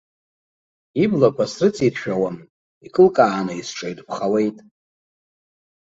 Иблақәа срыҵиршәауам, икылкааны исҿаирԥхауеит.